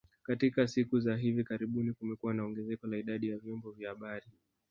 Katika siku za hivi karibuni kumekuwa na ongezeko la idadi ya vyombo vya habari